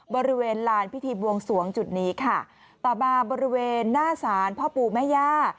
บริเวณลานพิธีบวงสวงจุดนี้ค่ะต่อมาบริเวณหน้าศาลพ่อปู่แม่ย่า